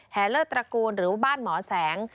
แหละเลิกตระกูลหรือบ้านหมอแสง